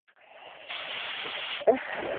Utilizó con frecuencia la adjudicación de monopolios.